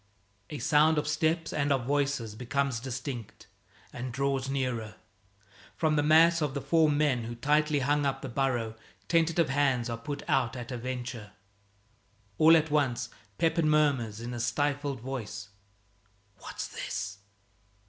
A sound of steps and of voices becomes distinct and draws nearer. From the mass of the four men who tightly hung up the burrow, tentative hands are put out at a venture. All at once Pepin murmurs in a stifled voice, "What's this?"